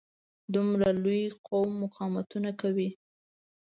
دومره لوی قوم مقاومتونه کوي.